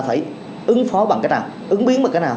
phải ứng phó bằng cách nào ứng biến bằng cách nào